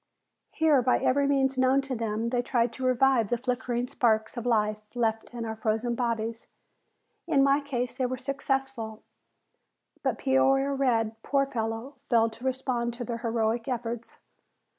Here by every means known to them they tried to revive the flickering sparks of life left in our frozen bodies. In my case they were successful, but Peoria Red, poor fellow, failed to respond to their heroic efforts.